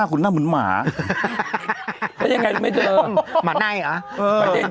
คือช่างแต่ผมตั้ง